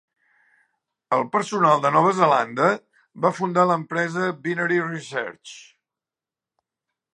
El personal de Nova Zelanda va fundar l'empresa Binary Research.